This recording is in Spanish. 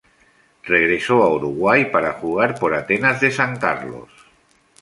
Regresó a Uruguay para jugar por Atenas de San Carlos.